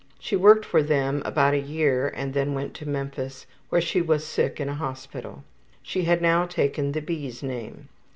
She worked for them about a year and then went to Memphis, where she was sick in a hospital. She had now taken the B.'s name.